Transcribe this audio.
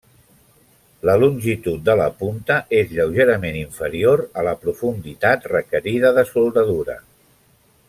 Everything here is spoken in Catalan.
La longitud de la punta és lleugerament inferior a la profunditat requerida de soldadura.